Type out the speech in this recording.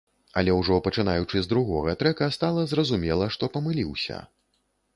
Але ўжо пачынаючы з другога трэка, стала зразумела, што памыліўся.